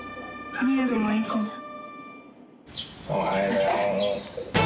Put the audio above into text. おはようございます。